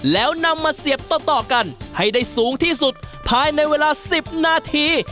แล้วนำมาเสียบต่อกันให้ได้สูงที่สุดภายในเวลา๑๐นาที